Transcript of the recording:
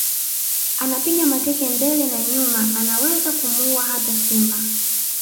Anapiga mateke mbele na nyuma anaweza kumuua hata Simba